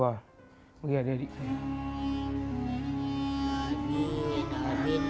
saya bisa mencari adik adik